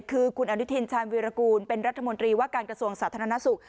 คือคุณอนุทินชาญวีรกูลเป็นรัฐมนตรีว่าการกระทรวงสาธารณสุข